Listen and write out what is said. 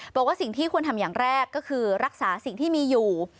บอกว่าสิ่งที่ควรทำอย่างแรกก็คือรักษาสิ่งที่มีอยู่